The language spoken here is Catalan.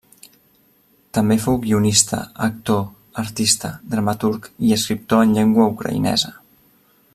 També fou guionista, actor, artista, dramaturg i escriptor en llengua ucraïnesa.